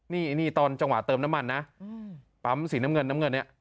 นี่ตอนจังหวะเติมน้ำมันนะปั๊มสีน้ำเงินน้ำเงินเนี่ย